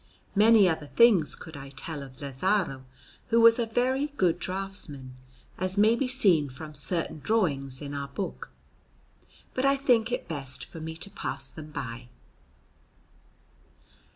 Many other things could I tell of Lazzaro, who was a very good draughtsman, as may be seen from certain drawings in our book; but I think it best for me to pass them by.